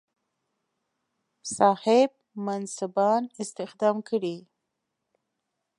صاحب منصبان استخدام کړي.